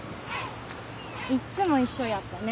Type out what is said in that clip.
いっつも一緒やったね。